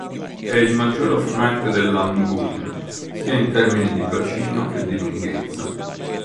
È il maggior affluente dell'Amgun' sia in termini di bacino che di lunghezza.